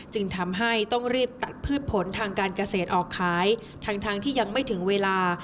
จึงทำให้ต้องรีบตัดพืชผลทางการเกษตรออกขายทั้งที่ยังไม่ถึงเวลา